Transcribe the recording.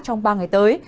trong ba ngày tới